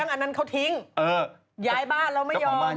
อันนั้นเขาเลี้ยงอันนั้นเขาทิ้ง